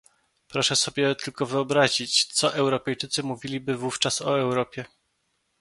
Proszę sobie tylko wyobrazić, co Europejczycy mówiliby wówczas o Europie